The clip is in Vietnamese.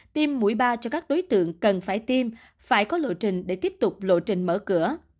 tiêm mũi ba cho các đối tượng cần phải tiêm phải có lộ trình để tiếp tục lộ trình mở cửa